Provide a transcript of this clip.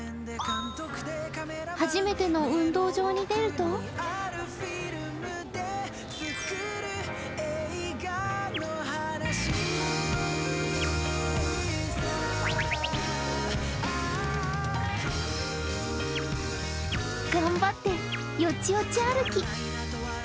初めての運動場に出ると頑張って、よちよち歩き。